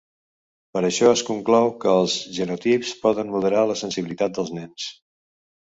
Per això es conclou que els genotips poden moderar la sensibilitat dels nens.